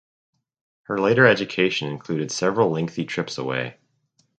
Her later education included several lengthy trips away.